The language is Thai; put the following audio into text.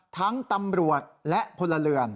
ตำรวจและพลเรือน